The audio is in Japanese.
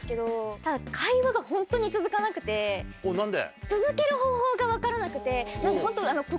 何で？